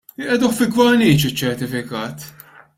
Iqiegħduh fi gwarniċ iċ-ċertifikat!